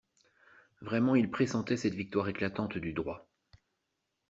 Vraiment il pressentait cette victoire éclatante du Droit.